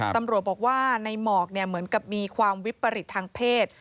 ตำรวจบอกว่าในหมอกเหมือนกับมีความวิปริตทางเพศ